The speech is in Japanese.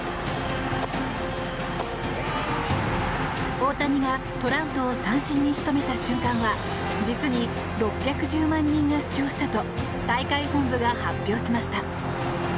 大谷がトラウトを三振に仕留めた瞬間は実に６１０万人が視聴したと大会本部が発表しました。